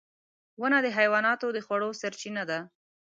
• ونه د حیواناتو د خوړو سرچینه ده.